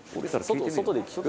外で聞く？